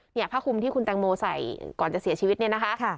เนี่ยผ้าคลุมที่คุณแม่ใส่ก่อนจะเสียชีวิตเนี่ยนะคะ